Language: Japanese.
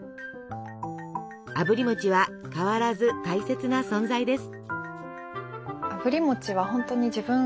あぶり餅は変わらず大切な存在です。